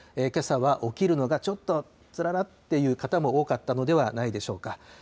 けさは起きるのがちょっとつららって方も多かったのではないでしょうか。